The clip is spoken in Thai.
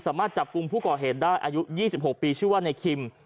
สามารถจับกลุ่มผู้ก่อเหตุได้อายุ๒๖ปีชื่อว่านายคิม